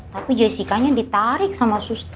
tapi jessica nya ditarik sama susti